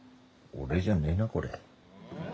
俺じゃねえなこれ。